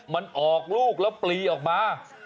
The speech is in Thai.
มันออกลูกแล้วปลีออกมา